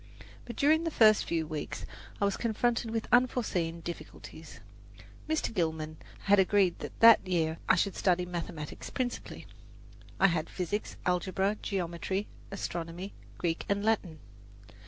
But during the first few weeks I was confronted with unforeseen difficulties. Mr. Gilman had agreed that that year I should study mathematics principally. I had physics, algebra, geometry, astronomy, Greek and Latin.